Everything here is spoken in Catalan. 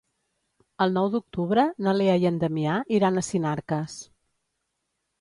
El nou d'octubre na Lea i en Damià iran a Sinarques.